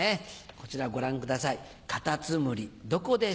こちらご覧ください。